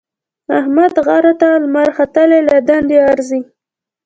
احمد غره ته لمر ختلی له دندې ارځي.